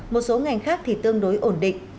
một số ngành khác thì tương đối ổn định